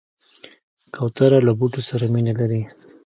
کوتره له بوټو سره مینه لري.